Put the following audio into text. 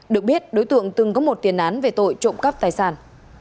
được biết đối tượng từng có một tiền án về tội trộm cắp tài sản